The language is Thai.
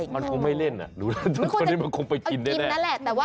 มันคงไม่เล่นน่ะทุกคนทีมันคงไปกินยังไง